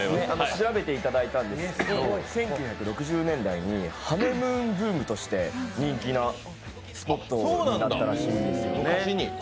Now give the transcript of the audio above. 調べていただいたんですけど、１９６０年代にハネムーンブームとして人気のスポットになったらしいんですよね。